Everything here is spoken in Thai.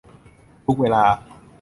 ทุกเวลา